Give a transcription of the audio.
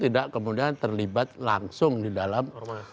tidak kemudian terlibat langsung di dalam